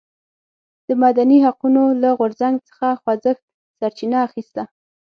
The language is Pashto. د مدني حقونو له غورځنګ څخه خوځښت سرچینه اخیسته.